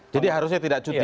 jadi harusnya tidak cuti